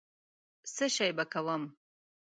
څشي به کوم.